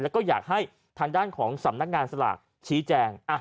แล้วก็อยากให้ทางด้านของสำนักงานสลากชี้แจง